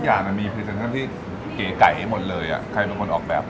สวัสดีครับ